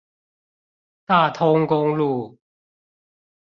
大通公路